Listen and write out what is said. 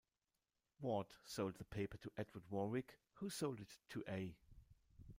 Ward sold the paper to Edward Warwick who sold it to A.